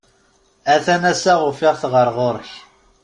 A-t-an ass-a ufiɣ-t ɣer ɣur-k.